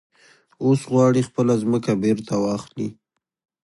اوس غواړي خپله ځمکه بېرته واخلي.